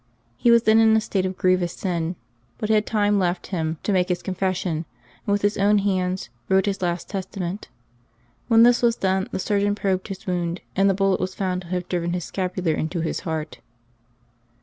He was then in a state of grievous sin, but had time left him to make his confession, and with his own hands wrote his last testa ment. When this was done, the surgeon probed his wound, and the bullet was found to have driven his scapular into his heart.